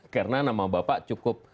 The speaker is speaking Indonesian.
karena nama bapak cukup